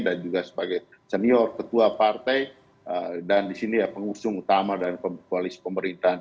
dan juga sebagai senior ketua partai dan di sini pengusung utama dan kualis pemerintahan